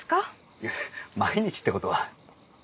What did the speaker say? いや毎日って事は。